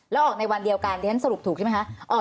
แล้วออกในวันเดียวกันดิฉันสรุปถูกใช่ไหมคะ